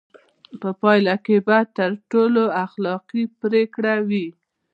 په پایله کې به تر ټولو اخلاقي پرېکړه وي.